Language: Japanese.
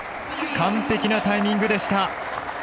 完璧なタイミングでした。